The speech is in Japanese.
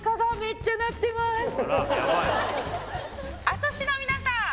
阿蘇市の皆さん